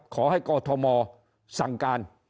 ขอให้กอทมสั่งการ